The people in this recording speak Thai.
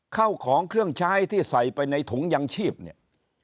เข้าของเครื่องใช้ที่ใส่ไปในถุงยังชีพเนี่ย